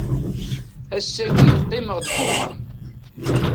Ass-agi qqimeɣ deg uxxam.